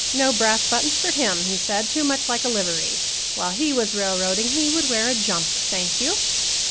No brass buttons for him, he said; too much like a livery. While he was railroading he would wear a jumper, thank you!